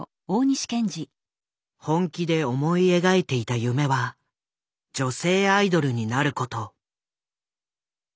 本気で思い描いていた夢は女性アイドルになる事。